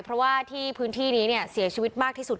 เพราะว่าที่พื้นที่นี้เนี่ยเสียชีวิตมากที่สุด